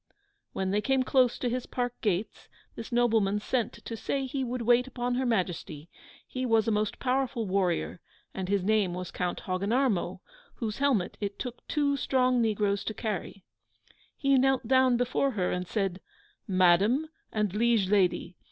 When they came close to his park gates, this nobleman sent to say he would wait upon Her Majesty: he was a most powerful warrior, and his name was Count Hogginarmo, whose helmet it took two strong negroes to carry. He knelt down before her and said, 'Madam and liege lady!